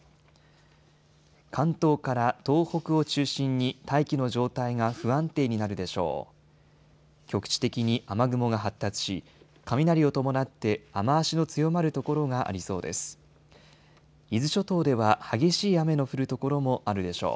関東から東北を中心に大気の状態が不安定になるでしょう。